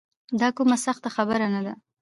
دا کومه سخته خبره نه ده.